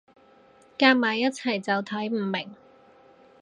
夾埋一齊就睇唔明